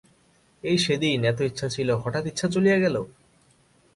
এই সেদিন এত ইচ্ছা ছিল, হঠাৎ ইচ্ছা চলিয়া গেল?